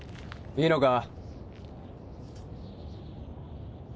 いいのか？